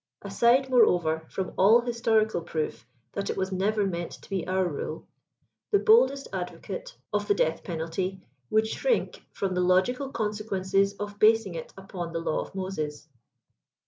Aside, moreover, firom all historical proof that u was never meant to be our rule, the boldest advocate of 144 the death penalty would shrink from the logical consequences of hasing it upon the law of Moses.